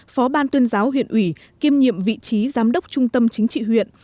phó ban tuyên giáo huyện ủy kiêm nhiệm vị trí giám đốc trung tâm chính trị huyện